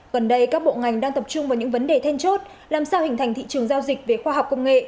gần đây các bộ ngành đang tập trung vào những vấn đề then chốt làm sao hình thành thị trường giao dịch về khoa học công nghệ